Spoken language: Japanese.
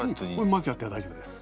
混ぜちゃって大丈夫です。